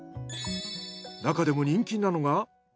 なかでも人気なのが。